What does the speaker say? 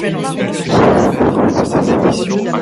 Le sud de la section, par contre, se trouve en Ardenne.